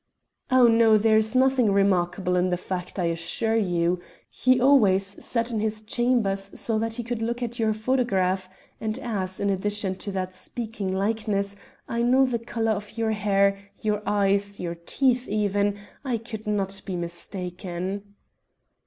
"Oh, no, there is nothing remarkable in the fact, I assure you. He always sat in his chambers so that he could look at your photograph, and as, in addition to that speaking likeness, I know the colour of your hair, your eyes, your teeth even, I could not be mistaken."